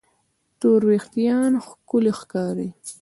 تور وېښتيان ښکلي ښکاري.